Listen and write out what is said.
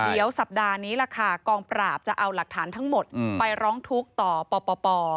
เดี๋ยวสัปดาห์นี้ล่ะค่ะกองปราบจะเอาหลักฐานทั้งหมดไปร้องทุกข์ต่อปป